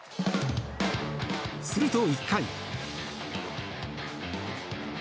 すると、１回。